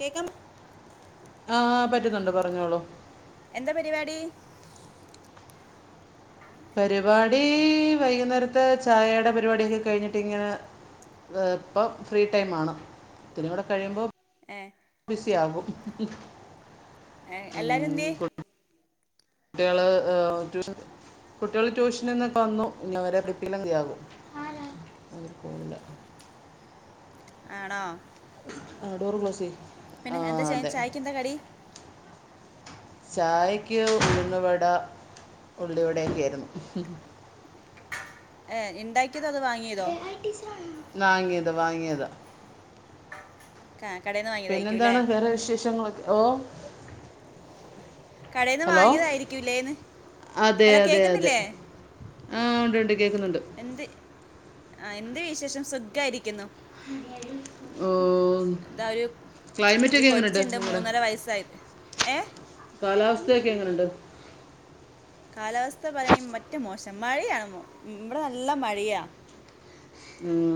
കേക്കാമോ ആഹ് പറ്റ്ന്നുണ്ട് പറഞ്ഞോളൂ എന്താ പരിവാടി പരിപാടി വൈകുന്നേരത്തെ ചായേടെ പരിപാടിയൊക്കെ കഴിഞ്ഞിട്ട് ഇങ്ങനെ എഹ് ഇപ്പം ഫ്രീ ടൈമ് ആണ് ഇത്തിരിം കൂടി കഴിയുമ്പൊ ഏഹ് ബിസി ആകും ഏഹ് എല്ലാരും എന്തേ കുട്ട്യാള് ഏഹ് ട്യൂഷൻ [unintelligible] കുട്ട്യാള് ട്യൂഷനിന്നൊക്കെ വന്നു ഇന്നവരെ പ്രിപ്പി [unintelligible] ആകും അതൊരു ഫോണിലാ ആണോ ആഹ് ഡോറ് ക്ലോസ് ചെയ്യ് പിന്നെ എന്താ ചെയ്ന്ന് ചായെക്കെന്താ കടി ചായക്ക് ഉഴുന്നുവട ഉള്ളിവടെയെക്കെയായ്ര്ന്നു ഏഹ് ഇണ്ടാക്ക്യേതോ അതോ വാങ്യേ വാങ്ങിയത് വാങ്ങിയതാ കാ കടേന്ന് വാങ്ങ് പിന്നെന്താണ് വേറെ വിശേഷങ്ങളൊക്കെ ഓഹ് കടേന്ന് ഹലോ വാങ്ങിയതായിരിക്ക്യുല്ലേന്ന് ഹലോ കേക്ക്ന്നില്ലേ ആഹ് ഉണ്ട് ഉണ്ട് കേക്ക്ന്നുണ്ട് എന്ത് ആഹ് എന്ത് വിശേഷം സുഗ്ഗായിരിക്കുന്നു ഓഹ് എന്താ ഒരു ഒരു കൊച്ച്ണ്ട് നിങ്ങളുടെ മൂന്നര വയസ്സായത് ഏഹ് കാലാവസ്ഥയൊക്കെ എങ്ങെനുണ്ട് കാലാവസ്ഥ പറയാണെങ്കി മറ്റെ മോശം മഴയാണ് മോ ഉം ഉം ഇവ്ടെ നല്ല മഴയാ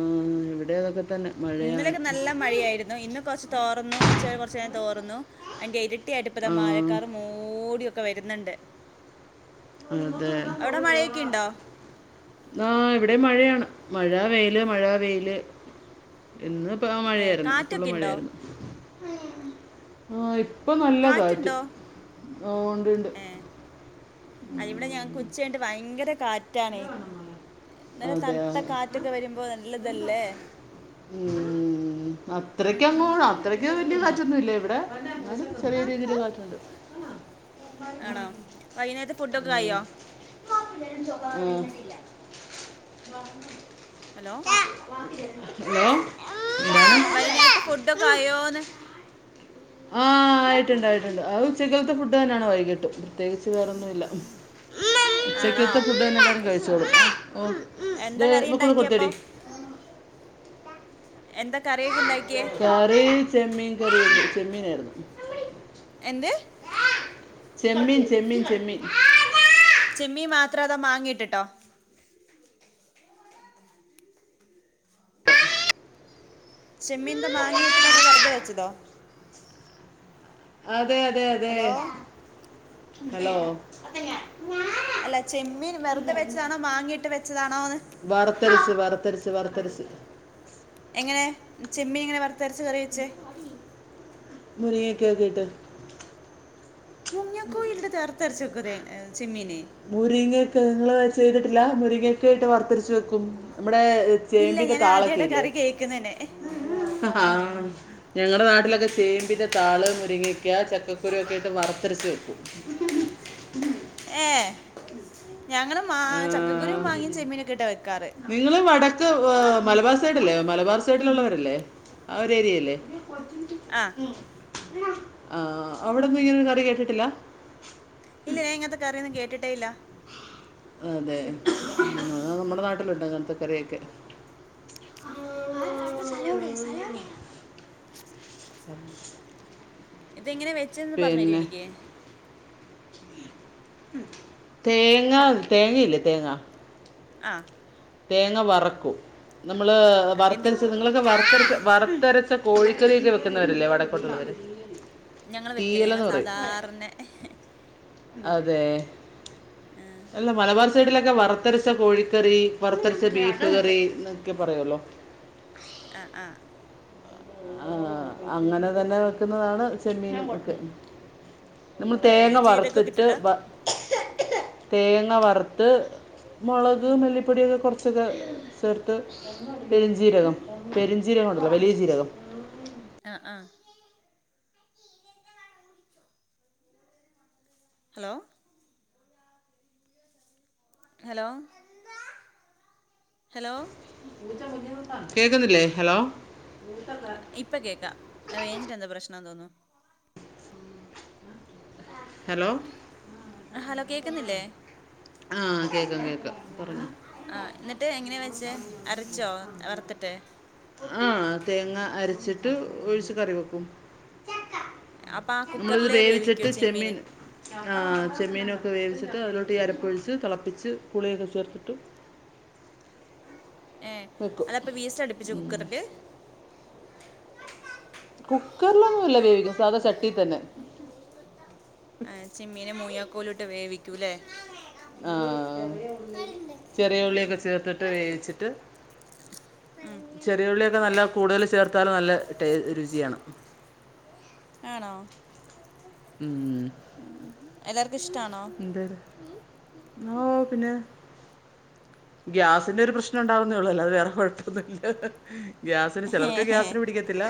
ഉം ഉം ഇവ്ടേയും അതൊക്കെ തന്നെ മഴയാണ് ഇന്നലൊക്കെ നല്ല മഴയായിര്ന്നു ഇന്ന് കൊർച്ച് തോറ്ന്നു ഉച്ച കഴിഞ്ഞ് കൊർച്ചേരം തോറ്ന്നു അയ്ന്റെ ഇരട്ടി അയിട്ട് ഇപ്പതാ ആ, മഴക്കാറ് മൂടിയൊക്കെ വര്ന്ന്ണ്ട് അതെ ന്നാഹ് ഇവ്ടേം മഴയാണ് മഴ വെയില് മഴ വെയില് ഇന്ന്പ്പ ആഹ് ഏ മഴയായിരുന്നു ഫുള്ള് കാറ്റൊക്കെ ഉണ്ടോ മഴയായിരുന്നു ആഹ് ഇപ്പൊ നല്ല കാറ്റ് കാറ്റുണ്ടോ ഓഹ് ഉണ്ടുണ്ട് ആഹ് ഇവിടെ ഞങ്ങക്ക് ഉച്ച കഴിഞ്ഞ്ട്ട് വയങ്കര കാ റ്റാണ് ന്നല്ല അതെ തൺത്ത ആ. കാറ്റൊക്കെ വെരുമ്പോ നല്ലതല്ലേ ഉം ഉം ഉം ഉം അത്രയ്ക്കങ്ങോ ഉം അ ത്രയ്ക്ക് വല്ല്യെ കാറ്റൊന്നു ഇല്ല ഇവ്ടെ എന്നാലും ചെറിയ രീതിയില് കാറ്റുണ്ട് ആണോ വൈകുന്നേരത്തെ ഫുഡൊക്കെ ആയോ ഉം ഹലോ ഹലോ എന്തണ് വെയ്നേരത്തെ ഫുഡ ഒക്കെ ആയോന്ന് ആഹ ആയിട്ടുണ്ട് ആയിട്ടുണ്ട് അത് ഉച്ചക്കത്തെ ഫുഡ് തന്നെയാണ് വൈകിട്ടും പ്രത്യേകിച്ച് വേറൊന്നുമില്ല ആണോ ഉച്ചക്കത്തെ ഫുഡ് തന്നെ എല്ലും കഴിച്ചോളും ഓ ഉം എന്താ കറി ഇവക്കും കൂടി ഉണ്ടാക്കിയപ്പോ കൊടുത്തടി എന്തൊ കറിയൊക്കെ ഉണ്ടാക്കിയേ കറി ചെമ്മീൻ കറി ചെമ്മീന ആയിരുന്നു എന്ത് ചെമ്മീൻ ചെമ്മീൻ ചെമ്മീൻ ചെമ്മീ മാത്രം അതാ വാങ്ങിയിട്ട ട്ടോ ചെമ്മീൻന്ത മാങ്ങിയിട്ടിട്ട് അതോ വെറത വെച്ചതോ അതെ അതെ അതെ ഹലോ ഹലോ ഞാൻ അല്ല ചെമ്മീൻ വെറുതെ വെച്ചതാണോ മാങ്ങിട്ട് വെച്ചതാണോന്ന് വറത്തെരിച്ച് വറത്തെരിച്ച് വറുത്തെരിച്ച് എങ്ങനെ ചെമ്മി എങ്ങനെ വറുത്തെരച്ച കറി വെച്ചേ പുളിയൊക്കെ ഇട്ടിട്ട് മുരി ങ്ങാക്കോഴയില് തറുത്തെരച്ച വക്കുന്ന ചെമ്മീന് മുരിങ്ങയക്കെ നിങ്ങള് ചെയ്തിട്ടില്ല മുരിങ്ങൊക്കെ ആയിട്ട് വർത്തെരിച്ചച്ച് വെക്കും നമ്മടെ ഇല്ല ചേമ്പിന്റെ ഞാൻ താളൊക്കെ ആദ്യമായിട്ട ഇല്ലേ കറി കേൾക്കുന്നന്നെ ആ ആഹ ഞങ്ങളുടെ നാട്ടിലൊക്കെ ചെയ്യും പിന്നെ താൾ മുരുങ്ങിക്ക ചക്കുരുയൊക്കെയിട്ട് വറുത്തെരച്ച് വെക്കും ഏയ് ഞങ്ങൾ മാ ചക്കക്കുരു മാങ്ങിയ ചെമ്മീനൊക്കെ ഇട്ടാണ് വയ്ക്കാറ് നിങ്ങൾ വടക്ക് മലബാർ സൈഡ അല്ലേ മലബാർ സൈഡിലുള്ളവരല്ലേ ആഒരു ഏരിയല്ലേ ആ ആ് അവിടൊന്നും ഇങ്ങനെരു കറി കേട്ടിട്ടില്ല ഇല്ല ഇങ്ങനത്തെ കറിയൊന്നും കേട്ടിട്ടെ ഇല്ല അതെ അത്‌ നമ്മുടെ നാട്ടിലുണ്ട് അങ്ങനത്തക്കറിയൊക്കെ [inaudible] ഇതെങ്ങനെ വെ പിന്നെ തേങ്ങ തേങ്ങയില്ലേ തേങ്ങാ ആ തേങ്ങ വറക്കൂ നമ്മള് എന്ത് വർത്തെരച്ച് നിങ്ങളൊക്കെ വറത്തെരച്ച് വറുത്തരച്ച കോഴിക്കറിയില് വെക്കുന്നവരല്ലേ വടക്കൊട്ടുള്ളവര് ഞങ്ങള് വെക്കലേ ഞങ്ങള് സാധാരണ അതെ ആഹ അല്ല മലബാർ സൈഡിലൊക്കെ വറത്തെരച്ച കോഴിക്കറി വറുത്തരച്ച ബീഫ് കറി എന്നൊക്കെ പറയല്ലോ ആഹ് ആഹ് ആഹ അങ്ങനെ തന്നെ വെക്കുന്നതാണ് ചെമ്മീനക്ക് നമ്മൾ ഏഹ് തേങ്ങ ജീരകൊക്കെ വറുത്തിട്ട് ഇട്ടിട്ടാ വ തേങ്ങ വറ ത്ത് മുളക് ഉം പൊടിയൊക്കെ കുറച്ചൊക്കെ ചേർത്ത് പെരിഞ്ജീരകം പെരിഞ്ജീരകം ഉണ്ടല്ലോ വലിയ ജീരകം ആഹ ആഹ ഹലോ ഹലോ ഹലോ [unintelligible] കേക്കുന്നില്ലേ? ഹലോ ഇപ്പ കേക്കാം റെയ്ഞ്ചിന്റെ എന്തോ പ്രശ്നാന്ന് തോന്നുന്നു ഹലോ ഹലോ കേക്കുന്നില്ലേ? ആഹ് കേക്കാം കേക്കാം ആഹ് ഇന്നെട്ട് എങ്ങനെയാ വെച്ചത് അരച്ചോ വറുത്തിട്ട്? ആഹ് തേങ്ങ അരച്ചിട്ട് ഒഴിച്ച് കറി വെക്കും അപ്പം ആ നമ്മളിത് കുക്കറിൽ വേവിക്കുവോ വേവിച്ചിട്ട് ചെമ്മീന് ചെമ്മീൻ ങ്ങാഹ് ചെമ്മീനൊക്കെ വേവിച്ചിട്ട് അതിലോട്ട് ഈ അരപ്പൊഴിച്ച് തിളപ്പിച്ച് പുളിയൊക്കെ ചേർത്തിട്ട് ഏഹ് വെക്കും അല്ല അപ്പൊ വീസില് അടുപ്പിച്ചോ കുക്കറില്? കുക്കറിലൊന്നും അല്ല വേവിക്കുന്നത് സാധാ ചട്ടിയി തന്നെ ഏഹേ ചെമ്മീനും മുൂയാക്കോലും ഇട്ട് വേവിക്കൂല്ലേ? ആഹ് ചെറിയ ഉള്ളിയൊക്കെ ചേർത്തിട്ട് വേവിച്ചിട്ട് ചെറിയ ഉള്ളിയൊക്കെ നല്ല കൂടുതല് ചേർത്താല് നല്ല ടേ രുചിയാണ് ആണോ? ഉ ഉം ഇഷ്ടാണോ എന്താണ് ഓഹോ പിന്നെ ഗ്യാസിന്റെ ഒരു പ്രശ്നം ഇണ്ടാവുന്നേയൊള്ളൂ അല്ലാതെ വേറെ കൊഴപ്പൊന്നുല്ല ഗ്യാസിന് ചിലർക്ക് ഗ്യാസിന് പിടിക്കത്തില്ല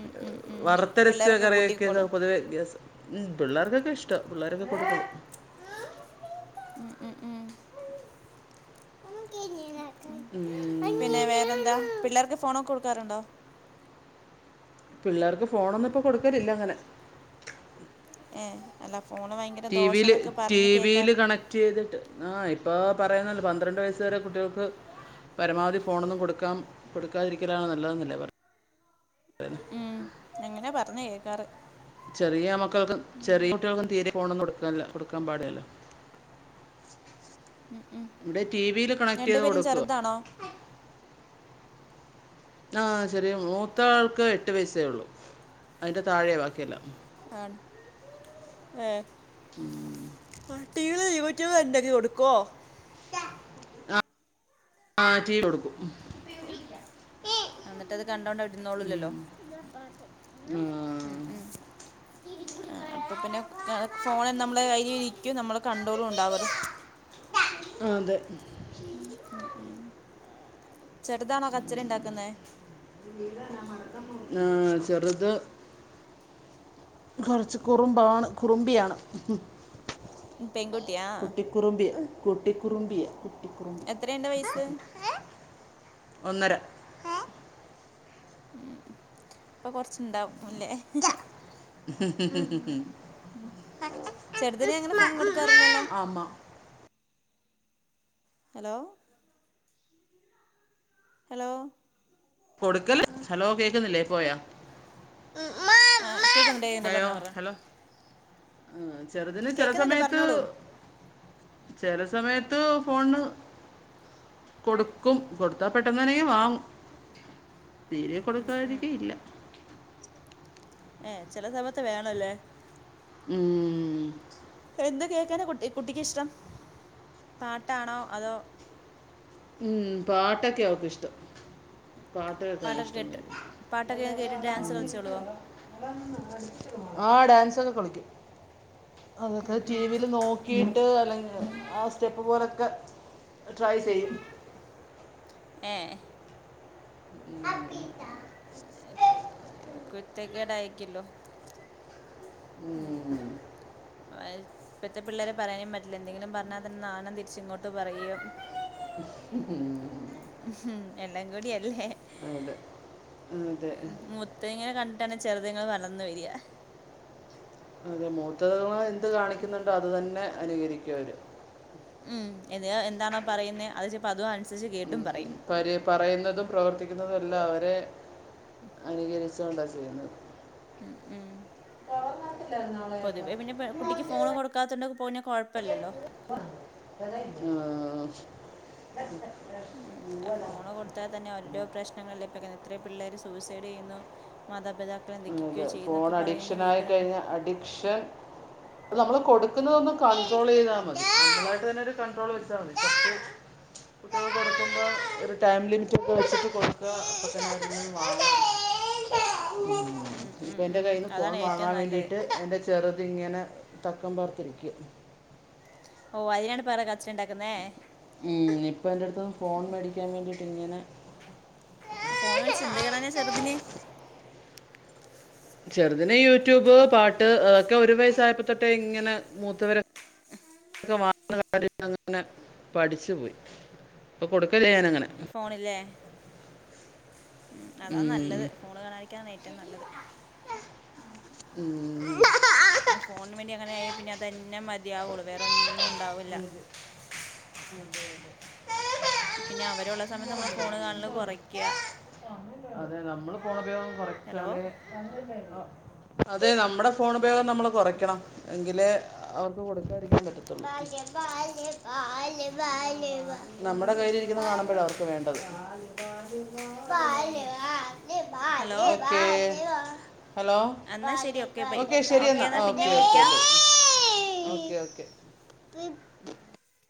ഉം ഉം ഉം വറുത്തരച്ച് പിള്ളേരൊക്കെ കറിയൊക്കെ കൂട്ടിക്കോളും പൊതുവെ ഗ്യാസ് ഉം പിള്ളേർക്ക് ഒക്കെയിഷ്ട്ട പിള്ളാർകൊക്കെ കൊടുക്കും ഉം ഉം ഉം ഉം പിന്നെ വേറെന്താ? പിള്ളേർക്ക് ഫോണൊക്കെ കൊടുക്കാറുണ്ടോ? പിള്ളേർക്ക് ഫോണൊന്നും ഇപ്പൊ കൊടുക്കലില്ല അങ്ങനെ ഏഹ് അല്ല ഫോണ് ഭയങ്കര ടി. വി. യില്, ദോഷന്നൊക്കെ ടി. പറഞ്ഞ് വി. കേക്കാൻ യില് കണക്റ്റ് ചെയ്തിട്ട് ആഹ് ഇപ്പൊ പറയുന്നല്ലോ പന്ത്രണ്ട് വയസ്സ് വരെ കുട്ടികൾക്ക് പരമാവധി ഫോണൊന്നും കൊടുക്കാം കൊടുക്കാതിരിക്കാലാണ് നല്ലതന്നല്ലേ പറയുന്നെ ഉം അങ്ങനാ പറഞ്ഞ് കേക്കാറ് ചെറിയ മക്കൾക്ക് ചെറിയ കുട്ടികൾക്കും തീരെ ഫോണൊന്നും കൊടു കൊടുക്കാൻ പാടില്ലല്ലോ ഉം ഉം ഇവിടെ ടി. വി. യില് കണക്റ്റ് രണ്ടു ചെയ്ത് പേരും കൊടുക്കുവ ചെറുതാണോ ങ്ങാഹ് ചെറിയ മ മൂത്താൾക്ക് എട്ട് വയസ്സേയൊള്ളു അതിന്റെ താഴെ ബാക്കിയെല്ലാം ആഹ് ഏഹേ ഉം ആഹ് ടി വി. യില് യൂട്യൂബ് എന്തെങ്കിലും എടുക്കുവോ? ആഹ് ആഹ് ടി. വി കൊടുക്കും അന്നിട്ട് അത് കണ്ടോണ്ട് അവിടെ ഇരുന്നോളൂലല്ലോ ഉം. ആ, ഉം ഉം ആഹ് അപ്പൊ പിന്നെ ഫോൺ നമ്മളെ കയ്യിലിരിക്കും നമ്മളെ കണ്ട്രോളും ഉണ്ടാവുവല്ലോ അതെ ഉം ഉം ഉം ചെറുതാണോ കച്ചറയിണ്ടാക്കുന്നേ? ആഹ് ചെറുത് കൊറച്ച് കുറുമ്പാണ് കുറുമ്പിയാണ് പെ കുട്ടി കുറുമ്പിയ കുട്ടി കുറുമ്പിയ കുട്ടി കുറുമ്പി എത്രയുണ്ട് വയസ്സ് ഒന്നര ഉ ഇപ്പൊ കുറച്ച്ണ്ടാവുംല്ലേ ഉ ഉ ചെറുത് നങ്ങനെ ഫോൺ കൊടുക്കാറില്ലല്ലോ? അമ്മ ഹലോ ഹലോ കൊടുക്കല് ഹലോ കേക്കുന്നില്ലേ പോയാ ആ കേക്കുന്നുണ്ട് കേക്കുന്നുണ്ട് ഹലോ പറഞ്ഞോ പറഞ്ഞോ ഹലോ ആഹ് ചെറുതില് കേക്കുന്നുണ്ട് ചെലസമയത്ത് പറഞ്ഞോളൂ ചെലസമയത്ത് ഫോണ് കൊടുക്കും കൊടുത്താ പെട്ടെന്നനേ വാങ്ങും. തീരെ ഉം ഉം കൊടുക്കാതിരിക്ക ഇല്ല ഏഹ് ചെലസമയത്ത് വേണല്ലേ മ് ഹ് എന്ത് കേൾക്കാനകുട്ടി കുട്ടിക്കിഷ്ടം പാട്ടാണോ അതോ ഉം പാട്ടൊക്കെ അവക്കിഷ്ടം പാട്ടൊക്കെ പാട്ട്കേകാനിഷ്ടം കേട്ട് പാട്ടൊക്കെ കേട്ട് ഡാൻസ് കളിച്ചോളുവോ ആഹ് ഡാൻസൊക്കെ കളിക്കും അതൊക്കെ ടിവില് നോ ക്കീയിട്ട് അല്ലെങ്കി ആ സ്റ്റെപ്പ് പോലൊക്കെ ട്രൈ ചെയ്യും. ഏഹ് അബി ഉം കുരുത്തക്കേടായിരിക്കല്ലോ ഉം. [unintelligible] ഇപ്പഴത്തെപിള്ളേരെപറയാനും പറ്റില്ല എന്തെങ്കിലും പറഞ്ഞാൽ തന്നെ നാലെണ്ണം തിരിച്ച ഇങ്ങോട്ട് പറയും. ഉഹ് ഉഫ് എല്ലാംകൂടി അല്ലേ അതെ മ് അതെ മൂത്തയ്ങ്ങളെ കണ്ടാണ്ചെറിതേങ്ങള് വളർന്നുവരാ അതെ മൂത്തതേങ്ങള് എന്ത് കാണിക്കുന്നുണ്ടോ അതു തന്നെ അനുകരിക്കവര്. ഉം എന്തിനാ എന്താണോപറയുന്നേ അതയിച്ചപ്പോ അതും അനുസരിച്ച് കേട്ടുംപറയും. പരിപറയുന്നതും പ്രവർത്തിക്കുന്നതൊല്ലാം അവരെ അനുകരിച്ചൊണ്ടാണ് ചെയ്യുന്നത് ഉം പൊതുവെ പിന്നെ കുട്ടിക്ക്ഫോണ് കൊടുക്കാത്തോണ്ട് പോനു ഉഹ് ഉം ഫോണ്കൊടുത്താ തന്നെ ഓരോരോ പ്രശ്നങ്ങള് നെ എത്രയും പിള്ളേര് സൂ യിസൈടെയ്യുന്നു മാതാപിതാക്ക അത് ഫോൺ അഡിക്ഷനായി കഴിഞ്ഞാ അഡിക്ഷൻ നമ്മള് കൊടുക്കുന്നതൊന്ന് കണ്ട്രോളെയ്താമതി നമ്മളായിട്ടന്നെ ഒരു കണ്ട്രോൾ വെച്ചാമതി. കുട്ടിയേള്ക്ക് കൊടുക്കുമ്പോ ഒരു ടൈം ലിമിറ്റ് ഒക്കെവെച്ചിട്ട് കൊടുക്കുക അപ്പത്തന്നെ വാങ്ങ ഉം ഉം ഇപ്പെന്റെ ഉം കയ്യിന്ന് ഫോൺ അതാണ് വാങ്ങാ ഏറ്റവും നല്ലത് വേണ്ടീട്ട് എന്റെ ചെറുതിങ്ങനെ തക്കം പാർത്തിരിക്ക ഓ അയിനാണ് പേറെ കച്ചറണ്ടാക്കുന്നേ ഉം ഇപ്പം എന്റെടുത്ത്ന്ന് ഫോൺ മേടിക്കാ വേണ്ടിയിട്ടിങ്ങനെ ഫോൺവിളിചെന്തയ്യാനചെറുതിനെ ചെറുതിന് യൂട്യൂബ്പാട്ട്അതൊക്കെ ഒരുവയസ്സായപ്പോതൊട്ടേഇങ്ങനെ മൂത്തവര് ക്കെവാങ്ങകാര്യഅങ്ങനെപഠിച്ച് പോയിഅപ്പോൾകൊടുക്കലഞാനങ്ങനെ ഫോണല്ലേഉഅതാനല്ലത്ഫോൺ ഉം. കാണാതിരിക്കാണ്ഏറ്റവുംനല്ലത്. ഉം പിന്നെഫോണിന് വേണ്ടിങ്ങനെയേ പിന്നെഅതന്നെമതിയാവുള്ളു വേറെന്നുംണ്ടാവൂല അതെതെ പിന്നെഅവരുള്ളസമയത്ത്നമ്മള് ഫോണ്കാണല്കൊറയ്ക്ക ഹലോ അതെനമ്മള്ഫോണ്പയോഗംകൊറച്ചാലെ ത് നമ്മുടെഫോണുപയോഗംനമ്മള് കൊറയ്ക്കണം എങ്കിലേഅവർക്ക്കൊടുക്കാതിരിക്കാപറ്റതൊള്ളൂ നമ്മടെ കൈലിരിക്കിന്ന് കാണുംമ്പഴാ അവർക്ക് വേണ്ടത് ഹലോ ഓകെ ഹലോ എന്നാൽ ശരി ബൈ ഓക്കെ ശരി എന്നാ എന്നാൽ പിന്നെ ഓക്കെ ഓക്കെ വിളിക്കാം ഓക്കെ ഓക്കെ ഓക്കെ